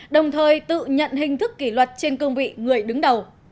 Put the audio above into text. đồng thời tự nhận hình thức kỷ luật trên cương vị người đứng đầu